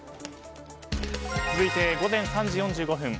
続いて午前３時４５分。